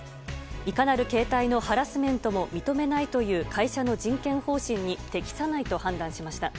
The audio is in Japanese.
いかなる形態のハラスメントも認めないという会社の人権方針に適さないと判断しました。